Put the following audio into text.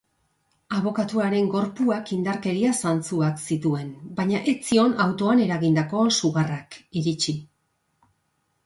Abokatuaren gorpuak indarkeria zantzuek zituen, baina ez zion autoan eragindako sugarrak iritsi.